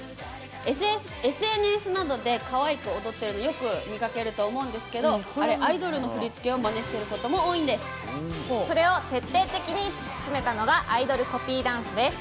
ＳＮＳなどでかわいく踊っているのよく見かけると思うんですけどあれ、アイドルの振り付けをそれを徹底的に突き詰めたのがアイドルコピーダンスです。